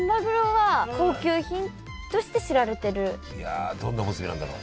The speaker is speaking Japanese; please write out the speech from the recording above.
いやどんなおむすびなんだろう。